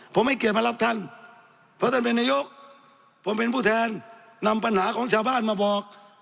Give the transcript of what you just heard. ผมให้เกียรติมารับท่านเพราะท่านเป็นนายกผมเป็นผู้แทนนำปัญหาของชาวบ้านมาบอก